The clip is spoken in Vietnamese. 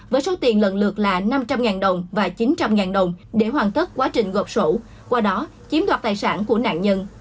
với số tiền lần lượt là năm trăm linh đồng và chín trăm linh đồng để hoàn tất quá trình gộp sổ qua đó chiếm đoạt tài sản của nạn nhân